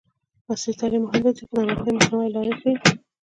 عصري تعلیم مهم دی ځکه چې د ناروغیو مخنیوي لارې ښيي.